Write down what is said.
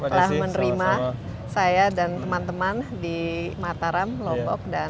telah menerima saya dan teman teman di mataram lombok dan